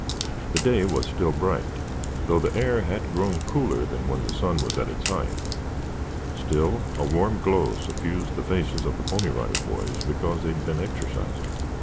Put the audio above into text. The day was still bright, though the air had grown cooler than when the sun was at its height. Still, a warm glow suffused the faces of the Pony Rider Boys because they had been exercising.